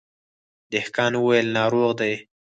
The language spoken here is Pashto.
دهقان وويل ناروغ دی.